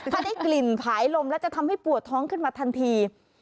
ถ้าได้กลิ่นผายลมแล้วจะทำให้ปวดท้องขึ้นมาทันที